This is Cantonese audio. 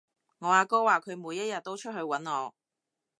我阿哥話佢每一日都出去搵我